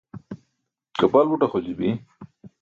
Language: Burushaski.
gapal buṭ axolji bi